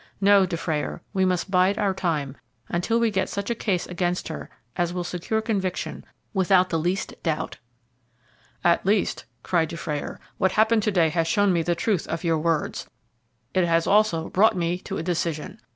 No, Dufrayer, we must bide our time until we get such a case against her as will secure conviction without the least doubt." "At least," cried Dufrayer, "what happened to day has shown me the truth of your words it has also brought me to a decision.